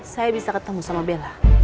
saya bisa ketemu sama bella